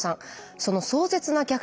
その壮絶な逆転